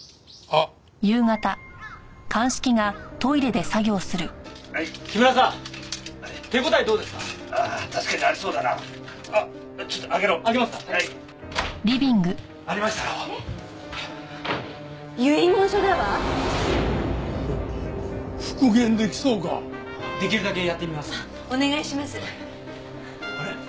あれ？